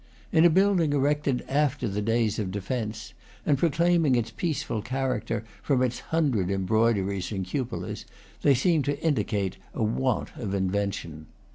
In a building erected after the days of defence, and proclaiming its peaceful character from its hundred embroideries and cupolas, they seem to indicate a want of invention.